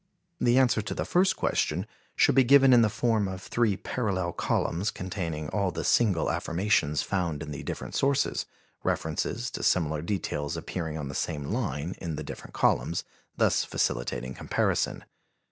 The answer to the first question should be given in the form of three parallel columns containing all the single affirmations found in the different sources, references to similar details appearing on the same line in the different columns, thus facilitating comparison.